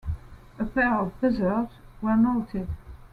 A pair of Buzzards were noted.